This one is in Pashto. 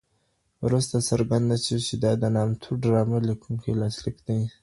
وروسته څرګنده سوه چي دا د نامتو ډرامه لیکونکي لاسلیک دی.